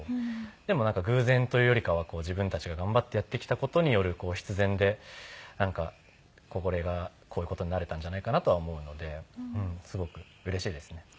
でもなんか偶然というよりかは自分たちが頑張ってやってきた事による必然でこれがこういう事になれたんじゃないかなとは思うのですごくうれしいですね。